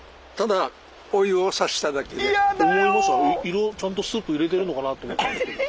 色ちゃんとスープ入れてるのかなと思ってたんですけど。